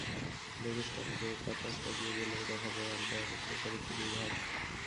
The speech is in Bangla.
লেগ স্টাম্পে বাতাস লাগিয়ে গেলেও দেখা যায় আম্পায়ারের প্রসারিত দুই হাত।